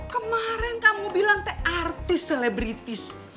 kemaren kamu bilang tuh artis selebritis